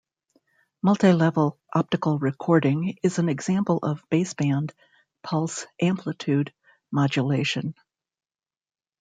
MultiLevel optical recording is an example of baseband pulse-amplitude modulation.